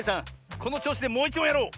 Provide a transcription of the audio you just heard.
このちょうしでもういちもんやろう！